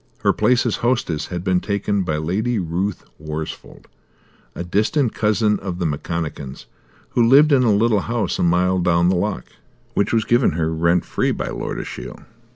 Her place as hostess had been taken by Lady Ruth Worsfold, a distant cousin of the McConachans, who lived in a little house a mile down the loch, which was given her rent free by Lord Ashiel.